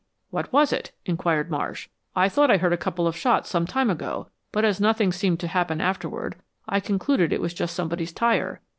"What was it?" inquired Marsh. "I thought I heard a couple of shots sometime ago, but as nothing seemed to happen afterward, I concluded it was just somebody's tire."